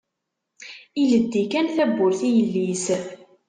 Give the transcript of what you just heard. Ileddi kan tawwurt i yelli-s